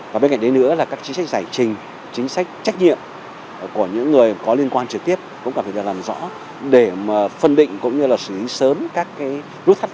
và bên cạnh đấy nữa là các chính sách giải trình chính sách trách nhiệm của những người có liên quan trực tiếp cũng cần phải được làm rõ để phân định cũng như là xử lý sớm các nút thắt